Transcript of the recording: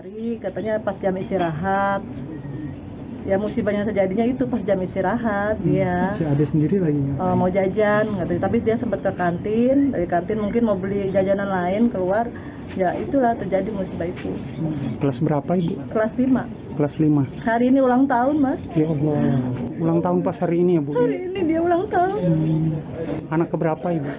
ini bapaknya kebohongan saya